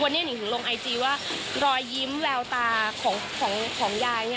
วันนี้นิงถึงลงไอจีว่ารอยยิ้มแววตาของยาย